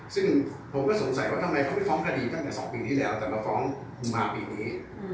ซึ่งผมก็สงสัยว่าทำไมเขาไม่ฟ้องคดีตั้งแต่๒ปีที่แล้วแต่มาฟ้องกุมภาปีนี้